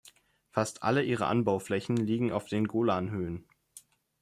Fast alle ihrer Anbauflächen liegen auf den Golanhöhen.